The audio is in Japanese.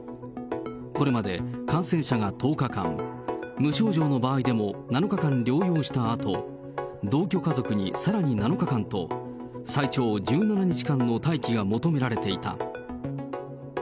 これまで感染者が１０日間、無症状の場合でも７日間療養したあと、同居家族にさらに７日間と、最長１７日間の待機が求められていた。